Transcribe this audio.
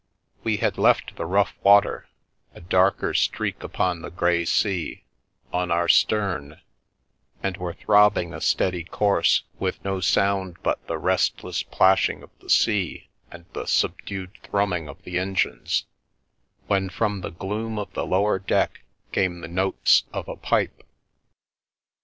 We had left the rough water, a darker streak upon the grey sea, on our stern, and were throbbing a steady course, with no sound but the restless plashing of the sea and the subdued thrumming of the engines, when from the gloom of the lower deck came the notes of a pipe.